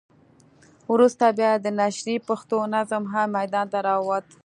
وروسته بیا د نشرې پښتو نظم هم ميدان ته راووت.